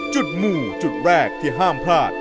มูจุดแรกที่ห้ามพลาด